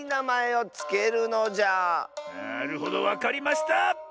なるほどわかりました！